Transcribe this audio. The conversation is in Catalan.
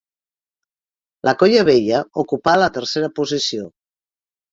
La Colla Vella ocupà la tercera posició.